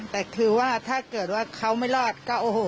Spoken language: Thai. แต่คือว่าถ้าเกิดว่าเขาไม่รอดก็โอ้โห